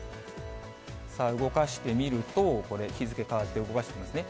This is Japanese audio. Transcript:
さあ、動かしてみると、これ、日付変わって動かしてみますね。